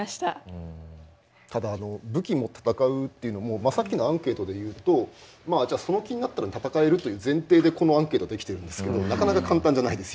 うんただ武器も戦うっていうのもさっきのアンケートで言うとまあじゃあその気になったら戦えるという前提でこのアンケートできてるんですけどなかなか簡単じゃないですよね。